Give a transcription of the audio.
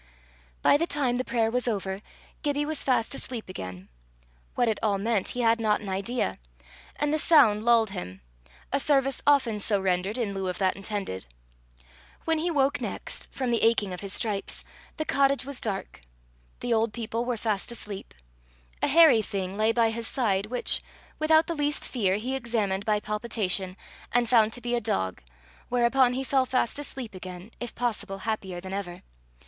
By the time the prayer was over, Gibbie was fast asleep again. What it all meant he had not an idea; and the sound lulled him a service often so rendered in lieu of that intended. When he woke next, from the aching of his stripes, the cottage was dark. The old people were fast asleep. A hairy thing lay by his side, which, without the least fear, he examined by palpation, and found to be a dog, whereupon he fell fast asleep again, if possible happier than ever.